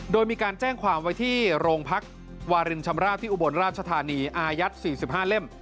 โดยมีการแจ้งความไว้ที่โรงพักวารินชำราบที่อุบลราชธานีอายัด๔๕เล่ม